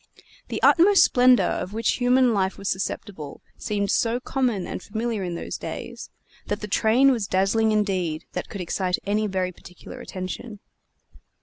The utmost splendor of which human life was susceptible seemed so common and familiar in those days, that the train was dazzling indeed that could excite any very particular attention.